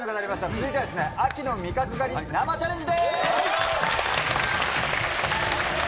続いては、秋の味覚狩り生チャレンジです。